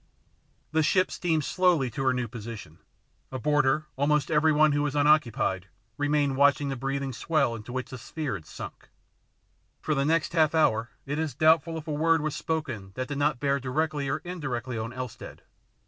The ship steamed slowly to her new position. Aboard her almost everyone who was unoccupied remained watching the breathing swell into which the sphere had sunk. For the next half hour it is doubtful if a word was spoken that did not bear directly or indirectly on Elstead.